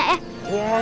cucian barengnya ya